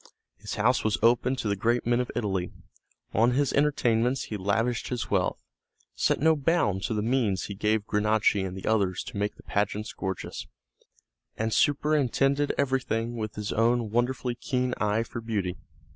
His house was open to the great men of Italy; on his entertainments he lavished his wealth, set no bounds to the means he gave Granacci and the others to make the pageants gorgeous, and superintended everything with his own wonderfully keen eye for beauty.